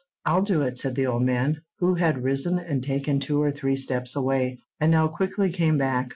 "I'll do it," said the old man, who had risen and taken two or three steps away, and now quickly came back.